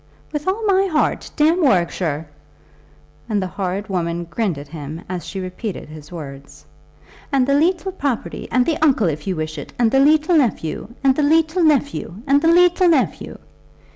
"With all my heart. Damn Warwickshire." And the horrid woman grinned at him as she repeated his words. "And the leetle property, and the uncle, if you wish it; and the leetle nephew, and the leetle nephew, and the leetle nephew!"